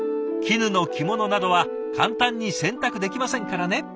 絹の着物などは簡単に洗濯できませんからね。